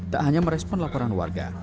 tak hanya merespon laporan warga